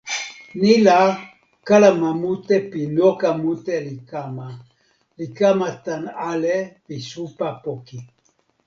ni la, kalama mute pi noka mute li kama, li kama tan ale pi supa poki.